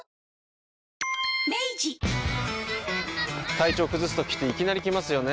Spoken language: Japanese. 体調崩すときっていきなり来ますよね。